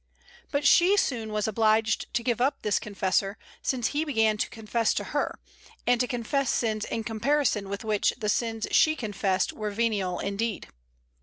But she soon was obliged to give up this confessor, since he began to confess to her, and to confess sins in comparison with which the sins she confessed were venial indeed.